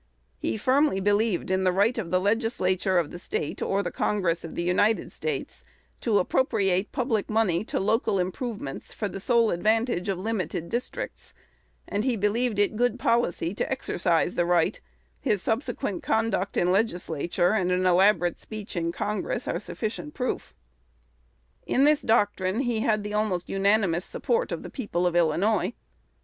He firmly believed in the right of the Legislature of the State or the Congress of the United States to appropriate the public money to local improvements for the sole advantage of limited districts; and that he believed it good policy to exercise the right, his subsequent conduct in the Legislature, and an elaborate speech in Congress, are sufficient proof. In this doctrine he had the almost unanimous support of the people of Illinois.